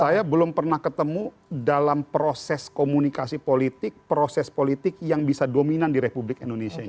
saya belum pernah ketemu dalam proses komunikasi politik proses politik yang bisa dominan di republik indonesia ini